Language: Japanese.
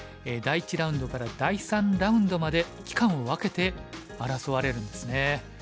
第１ラウンドから第３ラウンドまで期間を分けて争われるんですね。